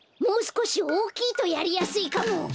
もうすこしおおきいとやりやすいかも！